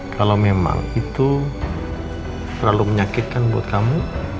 kalau memang itu terlalu menyakitkan buat kamu